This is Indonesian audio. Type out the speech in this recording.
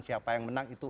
siapa yang akan dikatakan